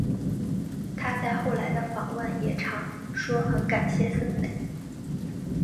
她在后来的访问也常说很感谢森美。